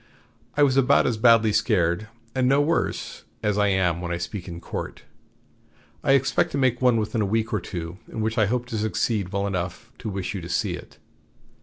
I was about as badly scared, and no worse, as I am when I speak in court. I expect to make one within a week or two in which I hope to succeed well enough to wish you to see it."